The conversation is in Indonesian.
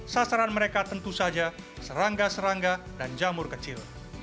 sasaran mereka tentu saja serangga serangga dan jamur kecil